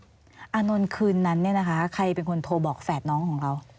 อานนท์คืนนั้นเนี่ยนะคะใครเป็นคนโทรบอกแฝดน้องของเรา